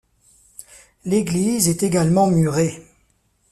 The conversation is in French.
L'église est également murée.